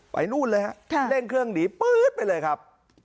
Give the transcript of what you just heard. ไปนู่นเลยเล่นเครื่องหนีไปเลยครับ